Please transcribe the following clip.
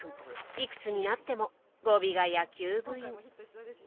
いくつになっても語尾が野球部員。